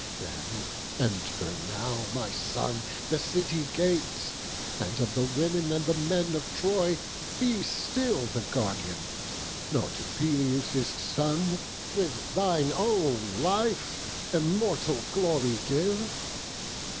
Then enter now, my son, the city gates, And of the women and the men of Troy, Be still the guardian; nor to Peleus' son, With thine own life, immortal glory give.